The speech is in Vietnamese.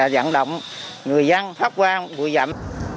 giận động người dân phát qua buổi giận